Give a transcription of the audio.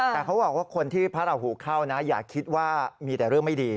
แต่เขาบอกว่าคนที่พระราหูเข้านะอย่าคิดว่ามีแต่เรื่องไม่ดี